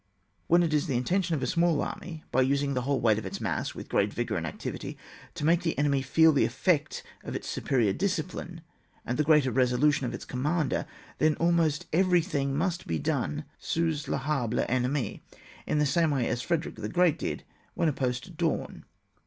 When it is the intention of a small army, by using the whole weight of its mass with great vigour and activity, to make the enemy feel the effect of its superior discipline and the greater resolution of its commander, then almost every thing must be done sous la harhe de Vennemi, in the same way as Frederick the G reat did when opposed to Daun.